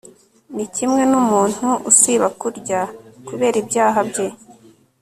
ni kimwe n'umuntu usiba kurya kubera ibyaha bye